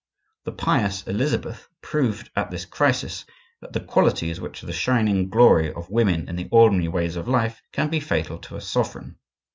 The pious Elizabeth proved at this crisis that the qualities which are the shining glory of women in the ordinary ways of life can be fatal to a sovereign.